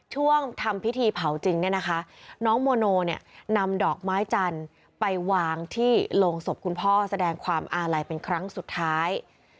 ทำพิธีเผาจริงเนี่ยนะคะน้องโมโนเนี่ยนำดอกไม้จันทร์ไปวางที่โรงศพคุณพ่อแสดงความอาลัยเป็นครั้งสุดท้าย